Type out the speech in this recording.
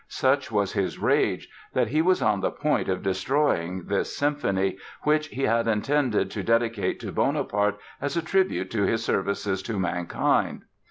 Such was his rage that he was on the point of destroying this symphony, which he had intended to dedicate to Bonaparte as a tribute to his services to mankind.